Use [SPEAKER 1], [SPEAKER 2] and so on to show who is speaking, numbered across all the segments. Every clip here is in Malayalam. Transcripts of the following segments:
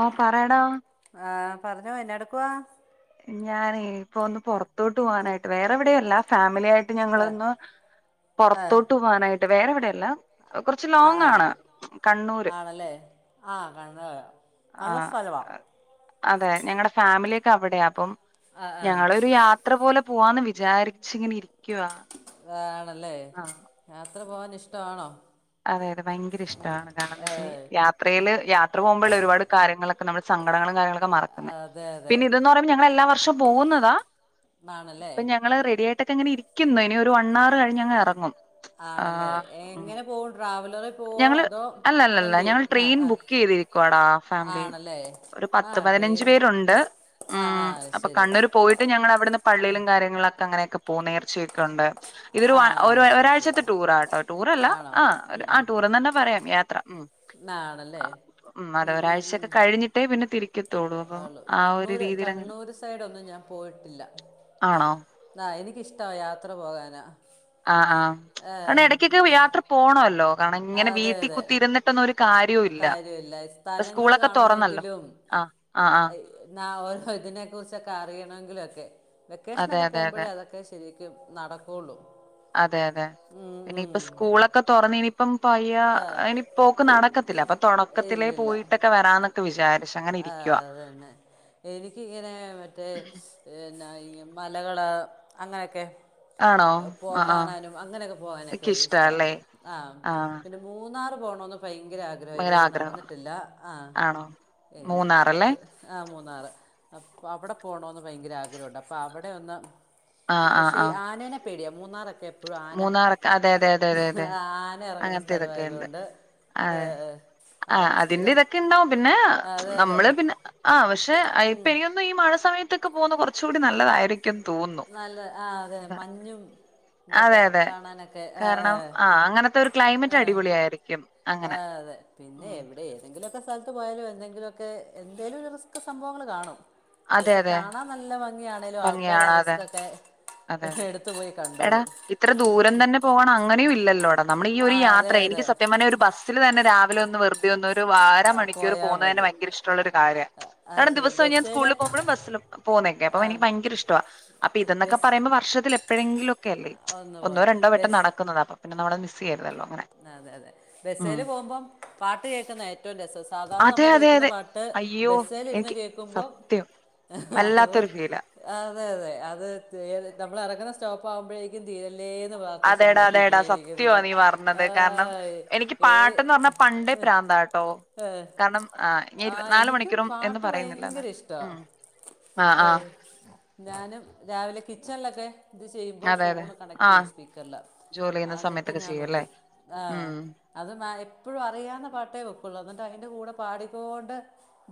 [SPEAKER 1] ആഹ പറയടാ
[SPEAKER 2] ആ പറഞ്ഞോ എന്നാ എടുക്കുവാ?
[SPEAKER 1] ഞാനേ ഇപ്പൊ ഒന്ന് പുറത്തോട്ട് പോകാനായിട്ട് വേറെ എവിടെയല്ല ഫാമിലി ആയിട്ട് ഞങളൊന്ന് പുറതോട്ട് പോവാന്ആയിട്ട് വേറെ എവിടെയല്ലാ
[SPEAKER 2] ആ ആ ആണല്ലേ ആ കണ്ണൂർ നല്ല
[SPEAKER 1] ആഹ്
[SPEAKER 2] സ്ഥലവാ
[SPEAKER 1] അതെ ഞങ്ങളുടെ ഫാമിലിയൊക്കെ അവിടെയാ അപ്പം
[SPEAKER 2] ആ ആ
[SPEAKER 1] ഞങ്ങളൊരു യാത്ര പോലെ പോവാന്ന് വിചാരിച്ചിങ്ങനെ ഇരിക്ക
[SPEAKER 2] ആണല്ലേ ഞ യാത്ര പോവാൻ ഇഷ്ടാണോ?
[SPEAKER 1] അതെ അതെ ഭയങ്കര ഇഷ്ടമാണ് കാരണം, എന്താ യാത്രയില് യാത്ര പോകുമ്പോഴുള്ള ഒരുപാട് കാര്യങ്ങളൊക്കെ നമ്മൾ സങ്കടങ്ങളും കാര്യങ്ങളൊക്കെ മറക്കുന്നത്
[SPEAKER 2] അതെ അതെ
[SPEAKER 1] പിന്നെ ഇതന്ന് പറയുമ്പോ ഞങ്ങൾ എല്ലാം [unintelligible] പോകുന്നതാ
[SPEAKER 2] ആണല്ലേ
[SPEAKER 1] ഇപ്പൊ ഞങ്ങള് റെഡി ആയിട്ട ഇരിക്കുന്നു ഇനി ഒരു വൺണവർ കഴിഞ് അങ് ഇറങ്ങും.
[SPEAKER 2] ആണല്ലേ എങ്ങനെ പോക
[SPEAKER 1] ഞങ്ങള് അല്ലല്ലല്ല ഞങ്ങൾ
[SPEAKER 2] ആ
[SPEAKER 1] ട്രെയിൻ
[SPEAKER 2] ആ
[SPEAKER 1] ബുക്ക് ചെയ്തിരിക്കുവ അടാ ഫാമിലി
[SPEAKER 2] ആണല്ലേ
[SPEAKER 1] ഒരു
[SPEAKER 2] ആ
[SPEAKER 1] പത്ത് പതിനഞ്ച്
[SPEAKER 2] ട്രെയിൻ
[SPEAKER 1] പേരുണ്ട് ഉ
[SPEAKER 2] ആ ആ
[SPEAKER 1] അപ്പൊ
[SPEAKER 2] ശരി
[SPEAKER 1] കണ്ണൂർ പോയിട്ട് ഞങ്ങ അവിടുന്ന് പള്ളിയിലും കാര്യങ്ങളുംക്കെ അങ്ങനെ ക്കെ പോ നേർച്ചയൊക്കണ്ട് ഇതൊരു
[SPEAKER 2] ആ ശരി ശരി
[SPEAKER 1] ഒരാഴ്ചത്തെ ടൂറാട്ടോ ടൂറല്ല
[SPEAKER 2] ആണോ ഉം,
[SPEAKER 1] ആ
[SPEAKER 2] ഉം.
[SPEAKER 1] ടുർന്നെന്നെ പറയാം യാത്ര ഉം
[SPEAKER 2] ആണല്ലേ
[SPEAKER 1] ഉം
[SPEAKER 2] ഉം, ഉം.
[SPEAKER 1] അതൊരാഴ്ചൊക്കെ കഴിഞ്ഞിട്ടേ പിന്നെ തിരി
[SPEAKER 2] ആള് കണ്ണൂര് കണ്ണൂര് സൈഡൊന്നും ഞാൻ പോയിട്ടില്ല.
[SPEAKER 1] ആണോ
[SPEAKER 2] എനിക്ക് ഇഷ്ട്ടാ യാത്ര പോവാന.
[SPEAKER 1] ആ ആ കാണം എടക്കൊക്കെ യാത്ര പോണല്ലോ. കാരണം ഇങ്ങനെ
[SPEAKER 2] അതേ
[SPEAKER 1] വീട്ടിൽ
[SPEAKER 2] അതേ
[SPEAKER 1] കുത്തിയിരുന്നിട്ടൊന്നും ഒരു കാര്യവും ഇല്ല
[SPEAKER 2] കാര്യവില
[SPEAKER 1] ഇപ്പ
[SPEAKER 2] സ്ഥല
[SPEAKER 1] സ്കൂളൊക്കെ തുറന്നല്ലോ
[SPEAKER 2] കാണണകിലു
[SPEAKER 1] ആഹ് ആഹ് ആഹ്
[SPEAKER 2] ഇതിനെ കുറിച്ച് അറിയണം വേകേശന്
[SPEAKER 1] അതെ അതെ അതെ
[SPEAKER 2] നടകുളു
[SPEAKER 1] അതേ അതേ ഇനി പോലെ സ്കൂളൊകേ തുറന്നു ഇനിപോ അപ്പ അയ്യ
[SPEAKER 2] ആ,
[SPEAKER 1] ഇനി പോക്ക് നടക്കത്തില്ല അപ്പൊ തുടക്കത്തിലേ
[SPEAKER 2] ഇല്ലില്ല
[SPEAKER 1] പോയിട്ടൊക്കെ വരാന്നൊക്കെ വിചാരിച്ചു അങ്ങനെ
[SPEAKER 2] ആ
[SPEAKER 1] ഇരിക്കുവാ
[SPEAKER 2] അതന്നെ എനിക്കിങ്ങനെ മറ്റേ ഇന്നേ മലകള് അങ്ങനെയൊക്കെ
[SPEAKER 1] ആണോ
[SPEAKER 2] പോ
[SPEAKER 1] ആഹ് ആഹ്
[SPEAKER 2] കാണാനും അങ്ങനെയൊക്കെ പോകാനൊക്കെ
[SPEAKER 1] എക്ക്
[SPEAKER 2] ഇഷ്ടം
[SPEAKER 1] ഇഷ്ടാല്ലേ
[SPEAKER 2] ആഹ
[SPEAKER 1] ആഹ്
[SPEAKER 2] പിന്നെ മൂന്നാറ് പോണോന്ന് ഭയങ്കര ആഗ്രഹം ഇതു
[SPEAKER 1] ഭയങ്കര
[SPEAKER 2] വരെ
[SPEAKER 1] ആഗ്രഹം
[SPEAKER 2] നടന്നിട്ടില്ല ആ
[SPEAKER 1] ആണോ
[SPEAKER 2] ഈ
[SPEAKER 1] മൂന്നാറല്ലേ
[SPEAKER 2] ഇടയ്ക്ക് ആ മൂന്നാറ് അപ്പ അവിടെ പോണന്ന് ഭയങ്കര ആഗ്രഹമുണ്ട് അപ്പൊ അവിടെ ഒന്ന് പക്ഷെ ആനനെ പേടിയ മൂന്നാറോക്കെ
[SPEAKER 1] മൂന്നാറ അതെ അതെ അതെ അതെ അതെ
[SPEAKER 2] ആന ഇറങ്ങുന്ന
[SPEAKER 1] അങ്ങനത്തെ ഇതൊക്കെ ഉണ്ട്
[SPEAKER 2] സ്ഥലമായതുകൊണ്ട്
[SPEAKER 1] അ
[SPEAKER 2] ഏ,
[SPEAKER 1] ആ
[SPEAKER 2] അവരുടെ
[SPEAKER 1] അതിന്റെ
[SPEAKER 2] സ്ഥിരം
[SPEAKER 1] ഇതൊക്കെ ഇണ്ടാവും പിന്നെ
[SPEAKER 2] അതെ അതെ
[SPEAKER 1] നമ്മള് പിന്നെ ആ പക്ഷെഇ പെയ്യുന്ന ഈ മഴ സമയത്തൊക്കെ പോകുന്ന കുറ കുച്ചൂടി നല്ലതായിരിക്കും
[SPEAKER 2] നല്ല ആഹ അതെ മഞ്ഞും
[SPEAKER 1] അതെ
[SPEAKER 2] ഇതൊക്കെ
[SPEAKER 1] അതെ
[SPEAKER 2] കാണാനൊക്കെ ആ
[SPEAKER 1] കാരണം ആ അങ്ങനത്തെ ഒരു ക്ലൈമറ്റ് അടിപൊളിയായിരിക്കും അങ്ങനെ ഉ
[SPEAKER 2] ഇതൊക്കെ സ്ഥലത്ത് പോയാലും എന്തെങ്കിലുമൊക്കെ എന്തേലിലും ഒരു റിസ്ക് സംഭവങ്ങൾ കാണും
[SPEAKER 1] അതെ
[SPEAKER 2] പക്ഷെ
[SPEAKER 1] അതെ.
[SPEAKER 2] കാണാൻ നല്ല ഭ ഇനി ആണേലും
[SPEAKER 1] ഭംഗിയാണ്.
[SPEAKER 2] ആൾക്കാരറസ്
[SPEAKER 1] അതെ. അതെ അതെ എടാ ഇത്ര ദൂരം തന്നെ പോവണം അങ്ങനെയും ഇല്ലല്ലോ നമ്മൾ ഈ
[SPEAKER 2] ആ
[SPEAKER 1] ഒരു
[SPEAKER 2] അതെ
[SPEAKER 1] യാത്ര
[SPEAKER 2] അതെ
[SPEAKER 1] എനിക്ക് സത്യം പറഞ്ഞ ഒരു ബസ്സില് തന്നെ രാ ല് വെറുതെ ഒന്ന് ഒരു വാരമണിക്കൂർ
[SPEAKER 2] പോയാൽ
[SPEAKER 1] പോകുന്നതന്നെ
[SPEAKER 2] മതി
[SPEAKER 1] ഭയങ്കര ഇഷ്ട്ടൊള്ളൊരു കാര്യവാ.
[SPEAKER 2] ആ
[SPEAKER 1] കാരണം
[SPEAKER 2] ശരി
[SPEAKER 1] ദിവസവും ഞാൻ
[SPEAKER 2] ബസ്സിൽ
[SPEAKER 1] സ്കൂളിൽ പോകുമ്പഴും ബസ്സില പോകുന്നേക്കെ
[SPEAKER 2] ആ
[SPEAKER 1] അപ്പ എനിക്ക് ഭയങ്കര ഇഷ്ടവാ അപ്പ ഇതന്നൊക്കെ
[SPEAKER 2] ബസ്
[SPEAKER 1] ക്ഷത്തിൽ എപ്പഴെങ്കിലും ഒ ക്കല്ലേ
[SPEAKER 2] ഒന്ന് പോ
[SPEAKER 1] ഒന്നോ രണ്ടോ വട്ടം
[SPEAKER 2] ബസ്
[SPEAKER 1] നടക്കുന്നത് അപ്പ പിന്നെ നമ്മള് മിസ് ചെയ്യരുതല്ലോ അങ്ങനെ.
[SPEAKER 2] അതെ അതെ
[SPEAKER 1] ഉം.
[SPEAKER 2] ബസ്സേല് പോകുമ്പം പാട്ട് കേക്കുന്നയാ ഏറ്റവും രസം. സാധാരണ
[SPEAKER 1] അതെ
[SPEAKER 2] നമ്മള്
[SPEAKER 1] അതെ
[SPEAKER 2] കേക്കുന്ന
[SPEAKER 1] അതെ.
[SPEAKER 2] പാട്ട്
[SPEAKER 1] അയ്യോ
[SPEAKER 2] ബസ്സേലിരുന്ന്
[SPEAKER 1] എനിക്ക്
[SPEAKER 2] കേക്കുമ്പം
[SPEAKER 1] സത്യം.
[SPEAKER 2] അത്
[SPEAKER 1] വല്ലാത്തൊരു ഫീലാ
[SPEAKER 2] ആ അതെ അതെ അത് തേ നമ്മള് എറങ്ങുന്ന സ്റ്റോപ്പാകുമ്പഴേക്കും തീര ല്ലേന്ന്
[SPEAKER 1] അതേടാ
[SPEAKER 2] പ്രാർത്ഥിച്ചോണ്ടായിരിക്കും
[SPEAKER 1] അതേടാ സത്യവാ
[SPEAKER 2] ഇരിക്കുന്നെ
[SPEAKER 1] നീ പറഞ്ഞത്. കാരണം എനിക്ക് പാട്ടെന്ന് പറഞ്ഞാ പണ്ടേ പ്രാന്താ കേട്ടോ.
[SPEAKER 2] ഏ,
[SPEAKER 1] കാരണം ആ ഞാൻ ഇരുപത്തി നാല്
[SPEAKER 2] എനിക്കും
[SPEAKER 1] മണിക്കൂറും എന്ന്
[SPEAKER 2] പാട്ട്
[SPEAKER 1] പറയുന്നില്ല
[SPEAKER 2] ഭയങ്കര
[SPEAKER 1] എന്നാലും ഉം
[SPEAKER 2] ഇഷ്ടമാണ്
[SPEAKER 1] ആ ആ
[SPEAKER 2] ഞാനും രാവിലെ കിച്ചണിലൊക്കെ ഇത് ചെയ്യുമ്പോ
[SPEAKER 1] അതെ
[SPEAKER 2] ഫോണ് കണക്ട് ചെയ്യും
[SPEAKER 1] ആഹ്
[SPEAKER 2] സ്പീക്കറില്
[SPEAKER 1] ജോലി
[SPEAKER 2] ആ
[SPEAKER 1] ചെയ്യുന്ന
[SPEAKER 2] എന്നി ട്ട്
[SPEAKER 1] സമയത്തൊക്കെ
[SPEAKER 2] ഞാൻ
[SPEAKER 1] ചെയ്യുംല്ലേ
[SPEAKER 2] വെക്കും. ആ
[SPEAKER 1] ഉം
[SPEAKER 2] അത് മാ എപ്പഴും അറിയാവുന്ന പാട്ടേ വെക്കുവൊള്ളൂ അന്നിട്ടതിന്റെ കൂടെ പാടിക്കോണ്ട്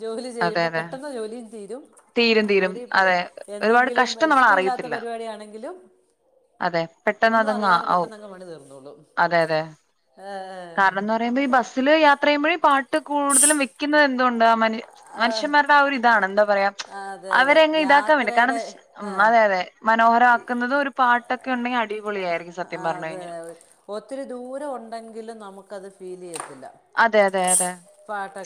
[SPEAKER 2] ജോലി
[SPEAKER 1] അതെ
[SPEAKER 2] ചെയ്യുമ്പ
[SPEAKER 1] അതെ
[SPEAKER 2] പെട്ടെന്ന് ജോലി തീരും
[SPEAKER 1] തീരും തീരും
[SPEAKER 2] ജോലി
[SPEAKER 1] അതെ ഒരുപാട്
[SPEAKER 2] എന്തെങ്കിലും
[SPEAKER 1] കഷ്ടം നമ്മൾ
[SPEAKER 2] ഇഷ്ടമില്ലാത്ത
[SPEAKER 1] അറിയത്തില്ല
[SPEAKER 2] പരിപാടിയാണെങ്കിലും
[SPEAKER 1] അതെ പെട്ടെന്ന്
[SPEAKER 2] ഒന്നും
[SPEAKER 1] അതങ്ങ്
[SPEAKER 2] അറിയാതെ
[SPEAKER 1] ആവും
[SPEAKER 2] പെട്ടെന്ന് അങ്ങ് പണി തീർന്നു.
[SPEAKER 1] അതെ അതെ. കാരണം എന്ന് പറയുമ്പോ ഈ
[SPEAKER 2] പാട്ട്
[SPEAKER 1] ബസ്സില് യാത്ര ചെയ്യുമ്പഴ് ഈ പാട്ട് കൂടുതലും വെക്കുന്നത് എന്ത് കൊണ്ട മനു മനുഷ്യന്മാരുടെ ആ ഒരു ഇതാണ് എന്താ പറയാ
[SPEAKER 2] ആ, അതെ അതെ
[SPEAKER 1] അവരെങ് ഇതാക്കാൻ വേണ്ടി കാരണം
[SPEAKER 2] യാത്രയുടെ
[SPEAKER 1] എന്ത ഉം
[SPEAKER 2] ആ
[SPEAKER 1] അതെ അതെ മനോഹരമാക്കുന്നതും ഒരു പാട്ടൊക്കെ ഉണ്ടെങ്കിൽ അടിപൊളിയായിരിക്കും സത്യം പറഞ്ഞു
[SPEAKER 2] അത്
[SPEAKER 1] കഴിഞ്ഞാൽ
[SPEAKER 2] ഒത്തിരി ദൂരം ഉണ്ടെങ്കിലും നമു ക്കത് ഫീൽ ചെയ്യത്തി
[SPEAKER 1] അതെ അതെ അതെ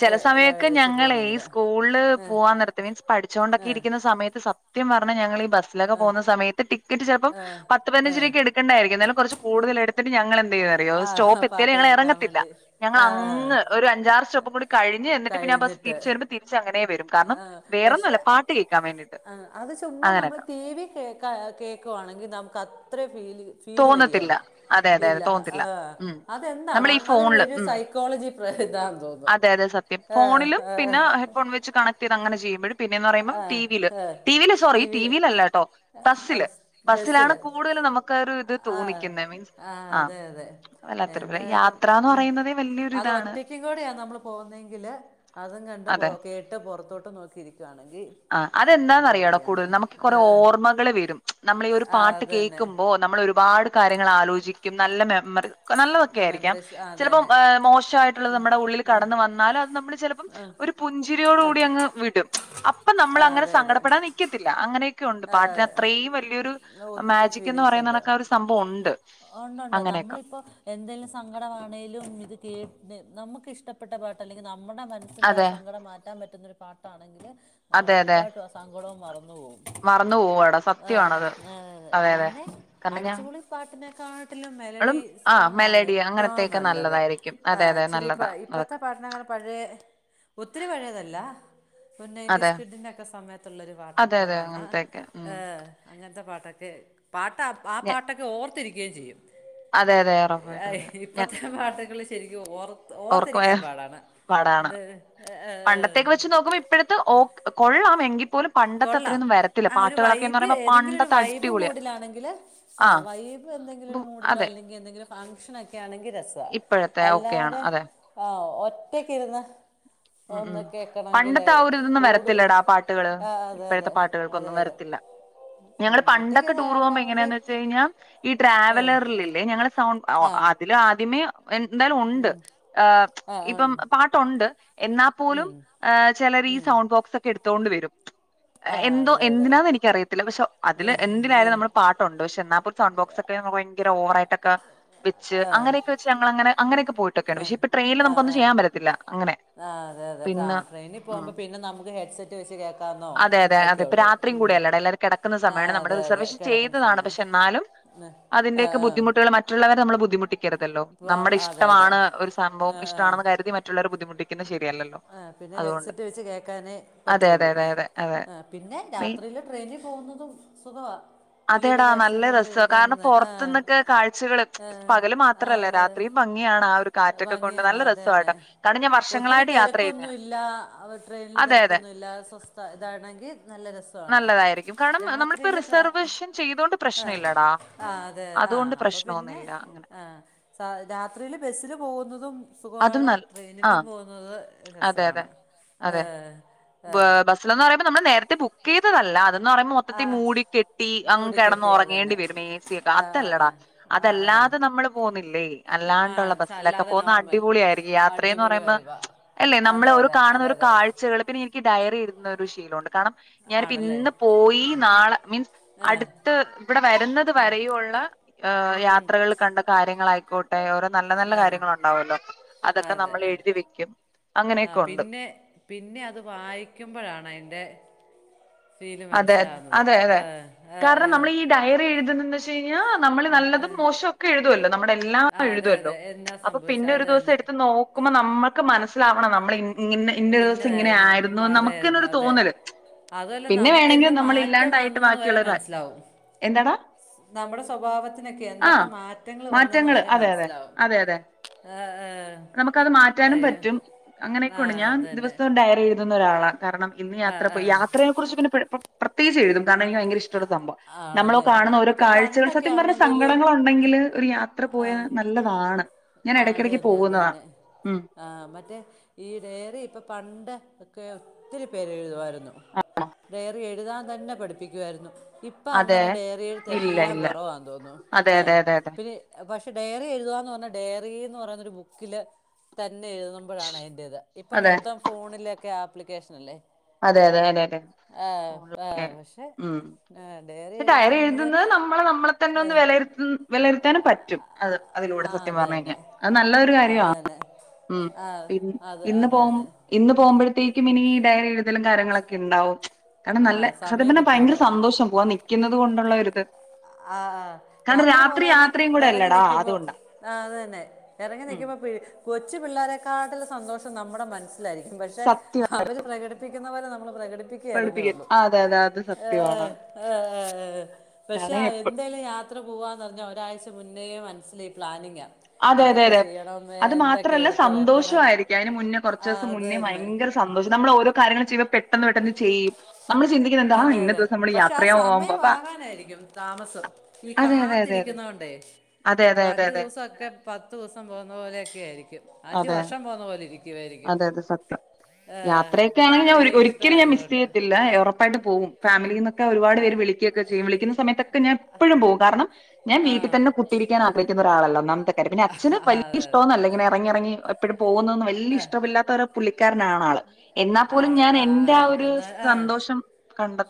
[SPEAKER 1] ചില
[SPEAKER 2] ഇതാ
[SPEAKER 1] സമയൊക്കെ
[SPEAKER 2] വെച്ച്
[SPEAKER 1] ഞങ്ങള് ഈ
[SPEAKER 2] പോവാണെങ്കിൽ
[SPEAKER 1] സ്കൂളില്
[SPEAKER 2] ഏ
[SPEAKER 1] പോവാൻ നേരത്ത് മീൻസ് പഠിച്ചോണ്ടൊക്കെ
[SPEAKER 2] ഏ
[SPEAKER 1] ഇരിക്കുന്ന സമയത്ത് സ ത്യം പറഞ്ഞാ ഞങ്ങളീ ബസ്സിലൊക്കെ പോകുന്ന സമയത്ത് ടിക്കറ്റ് ചിലപ്പം
[SPEAKER 2] ഏ
[SPEAKER 1] പത്ത്
[SPEAKER 2] ഏ
[SPEAKER 1] പതിനഞഞ്ച് രൂപക്ക് എടുക്കണ്ടായിരിക്കും എന്നാലും കുറച്ച് കൂടുതലെടുത്തിട്ട് ഞങ്ങള് എന്ത ചെയ്യ അറിയോ
[SPEAKER 2] ആ
[SPEAKER 1] സ്റ്റോപ്പ് എത്തിയൽ
[SPEAKER 2] പാട്ട്
[SPEAKER 1] ഞങ്ങൾ
[SPEAKER 2] കേൾക്കാൻ
[SPEAKER 1] ഇറങ്ങത്തില്ല
[SPEAKER 2] വേണ്ടി
[SPEAKER 1] ള്
[SPEAKER 2] ആ, ആ.
[SPEAKER 1] അങ്ങ് ഒരു അഞ്ചാറ് സ്റ്റോപ്പും കൂടി കഴിഞ്ഞ് എന്നിട്ട് പിന്നെ ആ ബസ്
[SPEAKER 2] കഴിഞ്ഞിട്ട്
[SPEAKER 1] തിരിച്ച് വരുമ്പോ തിരിച്ച് അങ്ങനെ വരും കാരണം
[SPEAKER 2] ആ, പക്ഷെ
[SPEAKER 1] വേറൊന്നുംല്ല പാട്ട് കേൾക്കാൻ വേണ്ടിട്ട്
[SPEAKER 2] ആ, അത് ചുമ്മാ നമ്മൾ
[SPEAKER 1] അങ്ങനെയൊക്കെ.
[SPEAKER 2] ടി വി കേക്ക കേൾക്കുവാണെങ്കിൽ നമുക്ക് അത്രയും ഫീൽ
[SPEAKER 1] തോന്നത്തില്ല
[SPEAKER 2] വരികേല്ല
[SPEAKER 1] അതെ അതെ അതെ
[SPEAKER 2] ഇല്ല ആ
[SPEAKER 1] തോന്നത്തില്ല ഉം
[SPEAKER 2] അതെന്താണ്
[SPEAKER 1] നമ്മളീ
[SPEAKER 2] അതൊരു
[SPEAKER 1] ഫോണില്
[SPEAKER 2] വലിയ
[SPEAKER 1] ഉം
[SPEAKER 2] സൈക്കോളജി [unintelligible] തോന്നുന്നു
[SPEAKER 1] അതെ അതെ സത്യം
[SPEAKER 2] ആ,
[SPEAKER 1] ഫോണിലും
[SPEAKER 2] ആ.
[SPEAKER 1] പിന്നെ ഹെഡ്ഫോൺ വെച്ച് കണക്ട് ചെയ്ത് അങ്ങനെ ചെയ്യുമ്പോഴും പിന്നെന്ന് പറയുമ്പോം
[SPEAKER 2] ആഹ്
[SPEAKER 1] ടിവിയില്
[SPEAKER 2] ആഹ്
[SPEAKER 1] ടിവിയില് സോറി ടി വിൽല്ലട്ടോ ബസ്സില് ബസ്സിലാണ്
[SPEAKER 2] ബസ്സില്
[SPEAKER 1] കൂടുതൽ നമുക്ക് ഒരു ഇത്
[SPEAKER 2] ആഹ്
[SPEAKER 1] തോന്നിക്കുന്നത് മീൻസ്
[SPEAKER 2] ആഹ്
[SPEAKER 1] ആ
[SPEAKER 2] അതെ അതെ
[SPEAKER 1] വല്ലാത്തൊരുത്
[SPEAKER 2] എന്തായാലും
[SPEAKER 1] യാത്ര എന്ന് പറയുന്നതേ വലിയൊരു ഇതാണ്.
[SPEAKER 2] [unintelligible] നമ്മള് പോകുന്നതെങ്കില് അതും കണ്ട് പോ കേട്ട് പുറത്തോട്ട് നോക്കിയിരികം.
[SPEAKER 1] ആ അതെന്താന്ന് അറിയടോ കൂടുതൽ നമുക്ക് കുറെ
[SPEAKER 2] ആഹ്
[SPEAKER 1] ഓർമ്മകള് വരും നമ്മളീ ഒരു
[SPEAKER 2] ആഹ്
[SPEAKER 1] പാട്ട്
[SPEAKER 2] അത് തന്നെ
[SPEAKER 1] കേൾക്കുമ്പോ നമ്മൾ ഒരുപാട് കാര്യങ്ങൾ ആലോചിക്കും നല്ല മെമ്മറി നല്ലതൊക്കെ
[SPEAKER 2] ആ
[SPEAKER 1] ആയിരിക്കാം
[SPEAKER 2] മെമ്മറീസ് ആ അത്
[SPEAKER 1] ചിലപ്പോം
[SPEAKER 2] തന്നെ
[SPEAKER 1] മോശമായിട്ടുള്ളത് നമ്മുടെ ഉള്ളിൽ കടന്ന വന്നാലും അത് നമ്മൾ ചിലപ്പോം ഒരു പുഞ്ചിരിയോടും കൂടി അങ്ങ് വിടും അപ്പൊ നമ്മൾ
[SPEAKER 2] ആ
[SPEAKER 1] അങ്ങനെ
[SPEAKER 2] അതെ അതെ
[SPEAKER 1] സങ്കടപ്പെടാൻ നിക്കത്തില്ല അങ്ങനെ എക്കൊണ്ട്
[SPEAKER 2] ആ
[SPEAKER 1] പാട്ടിന്
[SPEAKER 2] അതെ
[SPEAKER 1] അത്രയും വലിയൊരു
[SPEAKER 2] ഒത്തിരി
[SPEAKER 1] മാജിക് എന്ന്
[SPEAKER 2] ഫീലിങ്സ് ഉണ്ട്
[SPEAKER 1] പറയുന്നക്ക ഒരു സംഭവം ഉണ്ട്
[SPEAKER 2] ഉണ്ടുണ്ട്
[SPEAKER 1] അങ്ങനെയൊക്കെ
[SPEAKER 2] നമ്മളിപ്പോഎന്തെങ്കിലും സങ്കടമാണേങ്കലും ഇത് [inaudible] നമ്മക്ക് ഇഷ്ടപ്പെട്ട പാട്ടല്ലേൽ നമ്മുക്കു നമ്മുടെ മനസിന്റെ ആ
[SPEAKER 1] അതെ
[SPEAKER 2] സങ്കടം മാറ്റാൻ പറ്റുന്നൊരു പാട്ടാണ് എങ്കിൽ ഉറപ്പായിട്ടും ആ സങ്കടം
[SPEAKER 1] മറന്ന് പോവോടാ സത്യാണത് അതേ അതേ കാരണം ഞാൻ
[SPEAKER 2] പിന്നെ കാണും
[SPEAKER 1] ളും
[SPEAKER 2] മെലടി
[SPEAKER 1] ആ മെലഡി
[SPEAKER 2] സോങ്ങാണ്ഏറ്റവും
[SPEAKER 1] അങ്ങനത്തെയൊക്കെ
[SPEAKER 2] നല്ലത്
[SPEAKER 1] നല്ലതായിരിക്കും അതെ അതെ
[SPEAKER 2] ഇച്ചിരി
[SPEAKER 1] നല്ലതാ
[SPEAKER 2] ഇപ്പോഴത്തെ
[SPEAKER 1] അതൊക്കെ
[SPEAKER 2] പാട്ടിനേക്കാൾ പഴേ ഒത്തിരി പഴേതല്ല ഒരു
[SPEAKER 1] അതെ
[SPEAKER 2] നയന്റീസ് കിഡ്ന്റെ ഒക്കെ സമയത്ത് ഉള്ളൊരു
[SPEAKER 1] അതെ
[SPEAKER 2] പാട്ടൊക്കെന്ന്
[SPEAKER 1] അതെ
[SPEAKER 2] പറഞ്ഞാൽ
[SPEAKER 1] അങ്ങനത്തെയൊക്കെ
[SPEAKER 2] ഏ
[SPEAKER 1] ഉം
[SPEAKER 2] അങ്ങനത്തെ പാട്ടൊക്കെ [inaudible] പാട്ട് ആ
[SPEAKER 1] ഞ
[SPEAKER 2] പാട്ടൊക്കെ [unintelligible]
[SPEAKER 1] അതെ അതെ ഉറപ്പായിട്ടും അതെ
[SPEAKER 2] ഇപ്പത്തെ പാട്ടുകൾ ശെരിക്കും
[SPEAKER 1] ഓർക്കാൻ പാടാണ്
[SPEAKER 2] ഏഹ്
[SPEAKER 1] പണ്ടത്തെ ഒക്കെ വെച്ച് നോക്കുമ്പോ ഇപ്പോഴത്തെ കൊള്ളാം എങ്കിൽ പോലും പണ്ടത്തെ
[SPEAKER 2] കൊള്ളാം
[SPEAKER 1] അത്രയൊന്നും വരത്തില്ല
[SPEAKER 2] ആ ഒരു
[SPEAKER 1] പാട്ടുകളൊക്കെന്ന്
[SPEAKER 2] വൈബ്
[SPEAKER 1] പറയുമ്പോ
[SPEAKER 2] ഏതെങ്കിലും ഒരു
[SPEAKER 1] പണ്ടത്തെ
[SPEAKER 2] വൈബ്
[SPEAKER 1] അടിപൊളിയാ
[SPEAKER 2] മൂഡിലാണെങ്കിൽ ആ വൈബ് എന്തെങ്കിലും
[SPEAKER 1] ബു
[SPEAKER 2] ഒരു മൂഡിലൊ അല്ലെങ്കിൽ എന്തെങ്കിലും ഫങ്ക്ഷന് ഒക്കെയാണെങ്കിൽ രസാ
[SPEAKER 1] ഇപ്പഴത്തെ ഓകെ ആണ് അതെ
[SPEAKER 2] ഒറ്റക്ക് ഇരുന്ന്
[SPEAKER 1] മ്മ് മ്മ് പണ്ടത്തെ ആ ഒരിതൊന്നും
[SPEAKER 2] കൂടു
[SPEAKER 1] വരത്തില്ലടാ പാട്ട്
[SPEAKER 2] ആ അതെ
[SPEAKER 1] ഇപ്പഴത്തെ
[SPEAKER 2] അതെ അതെ
[SPEAKER 1] പാട്ട്കൾക്കൊന്നും
[SPEAKER 2] അതെ
[SPEAKER 1] വരത്തില്ല
[SPEAKER 2] ഉം,
[SPEAKER 1] ഞങ്ങൾ പണ്ടൊക്കെ
[SPEAKER 2] ഒറ്റയ്ക്കിരുന്ന്
[SPEAKER 1] ടൂർ പോകുമ്പോ
[SPEAKER 2] കേൾക്കാൻ വേണ്ടി
[SPEAKER 1] എങ്ങനെന്ന് വച്ച് കഴിഞ്ഞ ഈ
[SPEAKER 2] ഏ,
[SPEAKER 1] ട്രാവലറിലില്ലേ ഞങളുടെ സൗണ്ട്
[SPEAKER 2] ആ
[SPEAKER 1] [inaudible] അതിലും ആദ്യ പിന്നെയോ എന്തായാലും ഉണ്ട് ഏ
[SPEAKER 2] ആ ആ, ഉം,
[SPEAKER 1] ഇപ്പം പാട്ട് ഉണ്ട്
[SPEAKER 2] ഉം,
[SPEAKER 1] എന്നപോലും ചിലരിൽ
[SPEAKER 2] ഉം.
[SPEAKER 1] സൗണ്ട് ബോക്സ്‌ ഒക്കെ എടുത്ത് എടുത്തോണ്ട് വരും
[SPEAKER 2] ആ
[SPEAKER 1] എന്തോ
[SPEAKER 2] അതെ അതെ
[SPEAKER 1] എന്തിനാന്ന് എനിക്കറിയത്തില്ല പക്ഷെ അതിൽ
[SPEAKER 2] ആഹ്
[SPEAKER 1] എന്തിലായാലും പാട്ടുണ്ട് പക്ഷെ എന്നാ പോലും സൗണ്ട് ബോക്സൊക്കെ ഭയങ്കര ഓവറായിട്ടൊക്കെ വച്ച് അങ്ങനെഒക്കെ വച്ച് ഞങ്ങൾ അങ്ങനെ അങ്ങനെയൊക്കെ പോയിട്ടൊക്കെ ഉണ്ട് പക്ഷെ ട്രെയിനിൽ നമുക്കൊന്നും
[SPEAKER 2] ആഹ്
[SPEAKER 1] ചെയ്യാൻ പറ്റത്തില്ല അങ്ങനെ
[SPEAKER 2] ആ അതെ അതെ ആ
[SPEAKER 1] പിന്നെ
[SPEAKER 2] ട്രെയിനിൽ
[SPEAKER 1] ഉം
[SPEAKER 2] പോകുമ്പോ നമുക്ക് ഹെഡ്സെറ്റ് വെച്ച്
[SPEAKER 1] അതെ അതെ
[SPEAKER 2] കേക്കാനൊക്കെ
[SPEAKER 1] അതെ ഇപ്പ
[SPEAKER 2] ഒള്ളോ
[SPEAKER 1] രാത്രിയും
[SPEAKER 2] മ്മ്
[SPEAKER 1] കൂടെയല്ലേടാ എല്ലാരും കെടക്കുന്ന
[SPEAKER 2] ആ
[SPEAKER 1] സമയാണ് നമ്മുടെ
[SPEAKER 2] അതെ അതെ
[SPEAKER 1] റിസർവേഷൻ
[SPEAKER 2] കെടക്കുന്ന
[SPEAKER 1] ചെയ്തതാണ്
[SPEAKER 2] സമയം
[SPEAKER 1] പക്ഷെ എന്നാലും
[SPEAKER 2] ആ ആ
[SPEAKER 1] ബുദ്ധിമുട്ടി ക്കരുതല്ലോ
[SPEAKER 2] അപ്പം
[SPEAKER 1] നമ്മടെ
[SPEAKER 2] അതെ അതെ
[SPEAKER 1] ഇഷ്ട്മാണ് ഒരു സംഭവം
[SPEAKER 2] ആ ആ
[SPEAKER 1] ഇഷ്ടാണെന്നു കരുതി മറ്റുള്ളവരെ ബുദ്ധിമുട്ടിക്കരുത് [inaudible]
[SPEAKER 2] ആ പിന്നെ ഹെഡ്സെറ്റ് വെച്ച് കേക്കാനെ
[SPEAKER 1] അതെ അതെ
[SPEAKER 2] പറ്റുള്ളൂ
[SPEAKER 1] അതെ അതെ അതെ നീ
[SPEAKER 2] [unintelligible] വെളിയിലെ
[SPEAKER 1] അതെടാ
[SPEAKER 2] കാഴ്ചയും
[SPEAKER 1] നല്ല രസാ കാരണം
[SPEAKER 2] കണ്ടിരിക്കുന്നത് ആ
[SPEAKER 1] പുറത്ത്ന്നൊക്കെ
[SPEAKER 2] ആ ആ അതെ അതെ ഭംഗിയാണ് അതന്നെ ഒത്തിരി
[SPEAKER 1] വർഷങ്ങളായിട്ട് യാത്ര ചെയ്യുന്നയാ
[SPEAKER 2] തിരക്കൊന്നുല്ല്യ ട്രെയിനിൽ
[SPEAKER 1] അതെ അതെ
[SPEAKER 2] തിരക്കൊന്നുല്ല്യ സ്വസ്ഥ ഇതാണെങ്കിൽ നല്ല രസാണ്
[SPEAKER 1] നല്ലതായിരിക്കും കാരണം നമ്മളിപ്പോ
[SPEAKER 2] രാത്രില് ട്രെ
[SPEAKER 1] റിസർവേഷൻ ചെയ്തോണ്ട്
[SPEAKER 2] ആ
[SPEAKER 1] പ്രശ്നം ഇല്ലടാ
[SPEAKER 2] ആ അതെ ആഹ്
[SPEAKER 1] അതുകൊണ്ട്
[SPEAKER 2] അപ്പൊ പിന്നെ
[SPEAKER 1] പ്രശ്നമൊന്നുമില്ല അങ്ങനെ
[SPEAKER 2] ആ രാത്രില് സ പോതതും
[SPEAKER 1] അതും
[SPEAKER 2] സുഖമാണ്
[SPEAKER 1] നല്ല ആ
[SPEAKER 2] ട്രെയിനിലും പോകുന്നത്
[SPEAKER 1] അതെ അതെ
[SPEAKER 2] രസാണ്
[SPEAKER 1] അതെ
[SPEAKER 2] ഏഹ് ഏഹ്
[SPEAKER 1] കീതതല്ല അത് ന്ന് പറയ്പോ മൊത്തത്തിൽ മൂടി കെട്ടി അങ്ങ് കെടന്ന്
[SPEAKER 2] മൂടിക്കെട്ടി അത്
[SPEAKER 1] ഉറങ്ങേണ്ടി
[SPEAKER 2] തന്നെ
[SPEAKER 1] വരും എ സിയക്കെ
[SPEAKER 2] ആ ആ
[SPEAKER 1] അതല്ലടാ
[SPEAKER 2] ആ ആ ആ
[SPEAKER 1] അതല്ലാതെ നമ്മള് പോകുന്നില്ലേ അല്ലാണ്ടുള്ള
[SPEAKER 2] മാത്സ്
[SPEAKER 1] ബസിലൊക്കെ
[SPEAKER 2] അല്ലാതെ
[SPEAKER 1] പോന്ന
[SPEAKER 2] നോർമൽ
[SPEAKER 1] യാത്രയെന്ന്‌
[SPEAKER 2] അടിപൊളി
[SPEAKER 1] പറയുമ്പോ
[SPEAKER 2] വൈബ
[SPEAKER 1] അല്ലേ
[SPEAKER 2] അതെ
[SPEAKER 1] നമ്മള് ഓരോ
[SPEAKER 2] അതെ അതെ
[SPEAKER 1] കാണുന്നൊരു
[SPEAKER 2] അതെ
[SPEAKER 1] കാഴ്ചകള് പിന്നെ എനിക്കി ഡയറി ഇടുന്നൊരു ശീലോണ്ട് കാണം ഞാനിപ്പോ
[SPEAKER 2] ആണല്ലേ
[SPEAKER 1] ഇന്ന് പോയി നാളെ മീൻസ് അടുത്ത് ഇവിടെ വരുന്നത് വരെയുള്ളഏഹ് യാത്രകളില് കണ്ട കാര്യങ്ങളായി കോ [unintelligible] നല്ല നല്ല കാര്യങ്ങള് ഉണ്ടാവുല്ലോ
[SPEAKER 2] അതെ ആ ആ
[SPEAKER 1] അങ്ങനെയൊക്കെ ഉണ്ട്
[SPEAKER 2] പിന്നെ പിന്നെ അത് വായിക്കുമ്പോഴാണ് അ തിന്റെ
[SPEAKER 1] അതെ അതെ അതെ
[SPEAKER 2] ആ, ആ.
[SPEAKER 1] കാരണം നമ്മൾ ഈ ഡയറി എഴുതുന്നത് [unintelligible] ആ നമ്മള് നല്ലതും മോശോം ഒക്കെ എഴുതുമല്ലോ നമ്മുടെ എല്ലാം
[SPEAKER 2] ആ, അതെ
[SPEAKER 1] എഴുതുവല്ലോ
[SPEAKER 2] അതെ എന്നാ
[SPEAKER 1] അപ്പൊ
[SPEAKER 2] സംഭവിച്ചത്
[SPEAKER 1] പിന്നെ ഒരു
[SPEAKER 2] അത്
[SPEAKER 1] ദിവസം
[SPEAKER 2] തന്നെ
[SPEAKER 1] എടുത്ത് നോക് കുമ്പോ നമ്മക്ക് മനസ്സിലാവണം നമ്മള് എൻ ഇങ്ങനെ ഇന്റെ ദിവസം
[SPEAKER 2] ഇന്നതായിരുന്നു
[SPEAKER 1] ഇങ്ങനെആയിരുന്നുന്ന് നമുക്കന്നെ
[SPEAKER 2] അതായിരുന്നു
[SPEAKER 1] ഒരു
[SPEAKER 2] അതെ
[SPEAKER 1] തോന്നല്
[SPEAKER 2] അതുമല്ല
[SPEAKER 1] പിന്നെ
[SPEAKER 2] നമുക്ക് എന്ത്
[SPEAKER 1] വേണമെങ്കിൽ നമ്മൾ
[SPEAKER 2] മാറ്റം
[SPEAKER 1] ഇല്ലാണ്ടായിട്ട്
[SPEAKER 2] വന്നുന്ന് വരെ
[SPEAKER 1] ബാക്കിയുള്ളവ
[SPEAKER 2] മനസ്സിലാവും
[SPEAKER 1] എന്താടാ
[SPEAKER 2] നമ്മുടെ സ്വഭാവത്തിനൊക്കെ
[SPEAKER 1] ആ
[SPEAKER 2] എന്തൊക്കെ മാറ്റങ്ങൾ വന്നെന്ന്
[SPEAKER 1] മാറ്റങ്ങള്
[SPEAKER 2] വരെ
[SPEAKER 1] അതെ അതെ അതെ അതെ
[SPEAKER 2] മനസ്സിലാവുംഏ ഏ
[SPEAKER 1] നമുക്കത്
[SPEAKER 2] അയൊ ആ ഏഹ്
[SPEAKER 1] ദിവസോം ഡയറി എഴു എന്ന ഒരാളാ കാരണം ഇന്ന് യാത്ര
[SPEAKER 2] ആഹ്
[SPEAKER 1] പോയി
[SPEAKER 2] ആഹ്
[SPEAKER 1] യാത്രയോ പ്പോ പ്രത്യേകിച്ച് എഴുതും കാരാണെനിക്ക് ഭയങ്കര ഇഷ്ട് [unintelligible] സംഭവം നമ്മള്
[SPEAKER 2] ആണല്ലേ
[SPEAKER 1] കാണുന്ന ഓരോ
[SPEAKER 2] ഇപ്പൊ
[SPEAKER 1] കാഴ്ചകൾ
[SPEAKER 2] പണ്ടൊക്കെ
[SPEAKER 1] സത്യം പറഞ്ഞ
[SPEAKER 2] ആണെങ്കിലും
[SPEAKER 1] സങ്കടങ്ങള് ഇണ്ടെങ്കില് ഒരു യാത്ര പോയ നല്ലതാണ് ഞാൻ
[SPEAKER 2] ആ അത്
[SPEAKER 1] ഇടക്കിടക്ക്
[SPEAKER 2] തന്നെ അത്
[SPEAKER 1] പോവുന്നതാ
[SPEAKER 2] തന്നെ
[SPEAKER 1] ഉം
[SPEAKER 2] ആ മറ്റേ ക്കെ ഒത്തിരി പേര് എഴുതുവായിരുന്നു ഡയറി എഴുതാൻ തന്നെ പഠിപ്പിക്കുവായിരുന്നു ഇപ്പം
[SPEAKER 1] അതെ
[SPEAKER 2] അങ്ങനെ ഡെയറി എഴുത്ത്
[SPEAKER 1] ഇല്ല
[SPEAKER 2] എല്ലാം
[SPEAKER 1] ഇല്ല.
[SPEAKER 2] കുറവാന്ന് തോന്നുന്നു.
[SPEAKER 1] അതെ
[SPEAKER 2] ഏ
[SPEAKER 1] അതെ അതെ അതെ.
[SPEAKER 2] പിന്നെ പക്ഷെ ഡെയറി എഴുതാന്ന് പറഞ്ഞാൽ ഡെയറിന്ന് പറയുന്ന ബുക്കില് തൻ ന്നെ എഴുതുമ്പോഴാണ് അതിന്റത് ഇപ്പൊ
[SPEAKER 1] അതെ
[SPEAKER 2] മൊത്തം ഫോണിലൊക്കെ ആ പ്ലിക്കേഷൻ അല്ലേ.
[SPEAKER 1] അതെ അതെ അതെ അതെ.
[SPEAKER 2] ആഹ് ആഹ് പക്ഷെ
[SPEAKER 1] ക്ഷെ ഡയറി എഴുതുന്നത് നമ്മളെ നമ്മള് തന്നെ ഒന്ന് വിലയിരുത്ത് വിലയിരുത്താനും പറ്റും. അത് അതിലൂടെ
[SPEAKER 2] ആ
[SPEAKER 1] സത്യം
[SPEAKER 2] അത്
[SPEAKER 1] പറഞ്ഞ് കഴിഞ്ഞ
[SPEAKER 2] തന്നെ
[SPEAKER 1] അത് നല്ലൊരു കാര്യാ
[SPEAKER 2] അത് തന്നെ
[SPEAKER 1] ഉം
[SPEAKER 2] ആ
[SPEAKER 1] പി
[SPEAKER 2] അത്
[SPEAKER 1] ഇന്ന്
[SPEAKER 2] അത്
[SPEAKER 1] പോ
[SPEAKER 2] തന്നെ
[SPEAKER 1] ഇന്ന് പോ [unintelligible] ത്തേക്കും ഇനി ഡയറി എഴ കാര്യങ്ങളൊക്കെ ഇണ്ടാവും. കാരണം
[SPEAKER 2] ആ
[SPEAKER 1] നല്ല സത്യം
[SPEAKER 2] സമയം
[SPEAKER 1] പറഞ്ഞ ഭയങ്കര
[SPEAKER 2] കിട്ടുമല്ലോ
[SPEAKER 1] സന്തോഷം പോവാൻ നി
[SPEAKER 2] ആ ആഹ്
[SPEAKER 1] കാരണം
[SPEAKER 2] യാത്ര
[SPEAKER 1] രാത്രി
[SPEAKER 2] പോകന്
[SPEAKER 1] യാത്രയും കൂടെ
[SPEAKER 2] ഇറങ്ങി
[SPEAKER 1] അല്ലടാ
[SPEAKER 2] നിക്കുമ്പോ
[SPEAKER 1] അതുകൊണ്ടാ
[SPEAKER 2] ആ അത് ന്നെ ഇറങ്ങി
[SPEAKER 1] ഉം
[SPEAKER 2] നിക്കുമ്പോ പി കൊ ച്ചു പിള്ളേരെക്കാട്ടിലും സന്തോഷം നമ്മുടെ മന സ്സിലായിരിക്കും പക്ഷെ
[SPEAKER 1] സത്യം
[SPEAKER 2] അവര് പ്രകടിപ്പിക്കുന്ന പോലെ നമ്മള് പ്രകടിപ്പിക്കേലെന്നേ
[SPEAKER 1] പഠിപ്പിക്ക
[SPEAKER 2] ഉള്ളൂ.
[SPEAKER 1] അതെ അതെ അത്
[SPEAKER 2] ആ
[SPEAKER 1] സത്യമാണ്
[SPEAKER 2] ആഹ് ആഹ് ആഹ് ആഹ് പക്ഷെ
[SPEAKER 1] കാരണം
[SPEAKER 2] അ
[SPEAKER 1] എപ്പ
[SPEAKER 2] എന്തെയാലും യാത്ര പോവാന്ന് പറഞ്ഞ ഒ രാഴ്ച മുന്നേ മനസ്സില് പ്ലാനിങ്ങ.
[SPEAKER 1] അതെ അതെ അതെ അത് മാത്രല്ല
[SPEAKER 2] എടുത്ത് വെക്കണം
[SPEAKER 1] സന്തോഷവായിരിക്കും. അതിന് മുന്നേ കുറച്ച്
[SPEAKER 2] ആ,
[SPEAKER 1] ദിവസം
[SPEAKER 2] അത്
[SPEAKER 1] മുന്നേ
[SPEAKER 2] തന്നെ
[SPEAKER 1] ഭയങ്കര സന്തോഷം നമ്മൾ ഓരോ കാര്യങ്ങള് ചെയ്ത് പെ ട്ടന്ന് പെട്ടന്ന് ചെയ്യും. നമ്മൾ ചിന്തിക്കുന്നത് എന്താ ആ
[SPEAKER 2] അതെ
[SPEAKER 1] ഇന്ന
[SPEAKER 2] അതെ
[SPEAKER 1] ദിവസം നമ്മൾ
[SPEAKER 2] പക്ഷെ ആ
[SPEAKER 1] യാത്രയാ പോവാൻ
[SPEAKER 2] സമയം
[SPEAKER 1] പോവാ
[SPEAKER 2] ആകാനായിരിക്കും താമസം. ഈ
[SPEAKER 1] അതെ അതെ അതെ അതെ
[SPEAKER 2] കാത്തിരിക്കുന്നോണ്ടേ
[SPEAKER 1] അതെ
[SPEAKER 2] ഇപ്പൊ
[SPEAKER 1] അതെ അതെ
[SPEAKER 2] അഞ്ചു
[SPEAKER 1] അതെ
[SPEAKER 2] ദിവസം ഒക്കെ പത്തു ദിവസം പോകുന്ന പോലെ ക്കെയായിരി ക്കും അഞ്ച്
[SPEAKER 1] അതെ
[SPEAKER 2] വർഷം പോകുന്ന പോലെ ഇരി
[SPEAKER 1] അതെ അതെ സത്യം. യാത്രയൊക്കെ ആണെങ്കി ഞാൻ ഒരി
[SPEAKER 2] അത്രയും
[SPEAKER 1] ഒരിക്കലും ഞാൻ മിസ്
[SPEAKER 2] ഇഷ്ടമായതുകൊണ്ട്
[SPEAKER 1] ചെയ്യത്തില്ല ഉറപ്പായിട്ട് പോവും. ഫാമിലിന്നൊക്കെ ഒരുപാട് പേര് വിളിക്കൊക്കെ ചെയ്യും. വിളിക്കുന്ന സമയത്തൊക്കെ ഞാൻ എപ്പഴും പോകും കാരണം ഞാൻ വീട്ട് തന്നെ കുത്തിയിരിക്കാൻ ആഗ്രഹിക്കുന്ന ആളല്ല ഒന്നാമത്തെ കാര്യം പിന്നെ അച്ഛന് വലിയ ഇഷ്ടോന്നും അല്ല ഇങ്ങന ഇറങ്ങി ഇറങ്ങി എപ്പോഴും പോകുന്നത് ഒന്നും വലിയ ഇഷ് [unintelligible] പുള്ളി ക്കാരനാണ് ആള് എന്നാ
[SPEAKER 2] ആ,
[SPEAKER 1] പോലും ഞാൻ എന്റെ ആ ഒരു
[SPEAKER 2] എന്നാ ആ
[SPEAKER 1] സന്തോഷം കണ്ട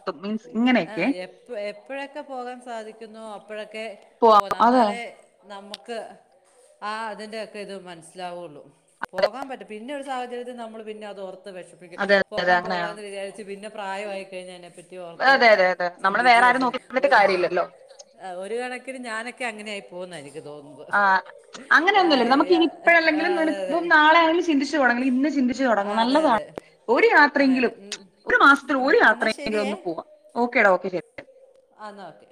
[SPEAKER 2] ആ എപ്പ എപ്പോഴൊക്കെ പോകാൻ സാധിക്കുന്നോ അ പ്പോഴൊക്കെ
[SPEAKER 1] പോവാ
[SPEAKER 2] പോണം
[SPEAKER 1] അതെ
[SPEAKER 2] എന്നാലെ നമു ക്കെ ആ അതിൻ്റെ ഒക്കെ ഇത് മനസ്സിലാവോള്ളൂ. പോകാൻ പറ്റും പിന്നെ ഒരു സാഹചര്യത്തിൽ നമ്മള് പിന്നെ അത് ഓർത്ത് വിഷമിക്കും
[SPEAKER 1] അതെ അതെ അതെ
[SPEAKER 2] പോകാം
[SPEAKER 1] അങ്ങനെ
[SPEAKER 2] പോകാംഎന്ന് വിചാരിച്ച് പിന്നെ പ്രായമായി കഴിഞ്ഞ് അതിനെ പറ്റി ഓർത്ത്
[SPEAKER 1] അതെ അതെ അതെ നമ്മള് വേറെ ആരും
[SPEAKER 2] ചിന്തിച്ചശേഷം
[SPEAKER 1] നോക്കിയിട്ട്
[SPEAKER 2] ഒരു
[SPEAKER 1] കാര്യമില്ലല്ലോ
[SPEAKER 2] ഒരു കണക്കിന് ഞാനൊക്കെ അങ്ങനെയായിരുന്നല്ലോ പോന്നായിരിക്കും
[SPEAKER 1] ആ അങ്ങനൊന്നുമില്ല ടി നമ്മുക്ക്
[SPEAKER 2] ആ,
[SPEAKER 1] ഇനി
[SPEAKER 2] ആ,
[SPEAKER 1] ഇപ്പോഴല്ലെങ്കിലും
[SPEAKER 2] അതെ അതെ
[SPEAKER 1] നിനക്കിപ്പം നാളെയാണെങ്കിലും ചിന്തിച്ചു തൊ ടങ്ങണം ഇന്ന് ചിന്തിച്ചു
[SPEAKER 2] ആ,
[SPEAKER 1] തൊടങ്ങ്
[SPEAKER 2] അതെ
[SPEAKER 1] നല്ലതാണ്
[SPEAKER 2] അതെ
[SPEAKER 1] ഒരു യാത്ര
[SPEAKER 2] അതെ അതെ
[SPEAKER 1] എങ്കിലും
[SPEAKER 2] ഉം.
[SPEAKER 1] ഒരു മാസത്തില്
[SPEAKER 2] ഉം,
[SPEAKER 1] ഒരു യാത്ര എങ്കിലും ഒന്ന് പോവാ ഓക്കേ ഡാ ഓക്കെ ശെരി
[SPEAKER 2] അന്നാ ഓക്കേ